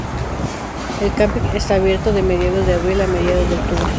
El camping está abierto de mediados de abril a mediados de octubre.